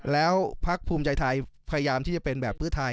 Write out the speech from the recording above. แล้วภักดิ์ภูมิใจไทยพยายามที่จะเป็นแบบภูมิไทย